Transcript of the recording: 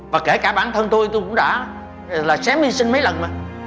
và kể cả bản thân tôi tôi cũng đã là sớm hy sinh mấy lần mà